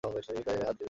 এই, গায়ে হাত দিবি না।